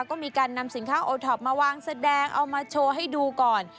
ก็มีการนำสินค้าโอท็อปมาวางแสดงเอามาโชว์ให้ดูก่อน